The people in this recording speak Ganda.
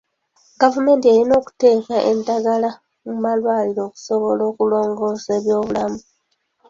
Gavumenti erina okuteeka eddagala mu malwaliro okusobola okulongoosa eby'obulamu.